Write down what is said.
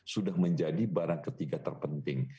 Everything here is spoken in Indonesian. sudah menjadi barang ketiga terpenting